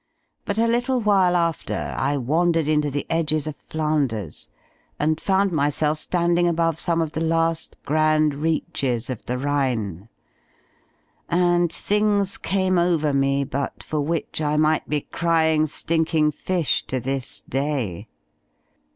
But a little while after, I wandered into the edges of Flanders, and found myself standing above some of the last grand reaches of the Rhine. And things came over me but for which I might be crying stink ing fish to this day.